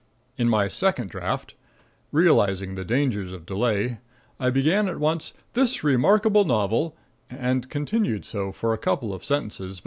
In my second draft, realizing the dangers of delay, I began at once, "This remarkable novel," and continued so for a couple of sentences.